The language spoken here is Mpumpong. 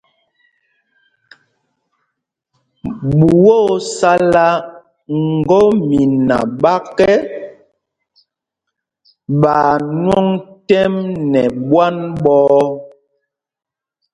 Ɓuá ó sálá ŋgɔ́mina ɓak ɛ, ɓaa ŋwɔŋ tɛ́m nɛ ɓwán ɓɔ̄ɔ̄.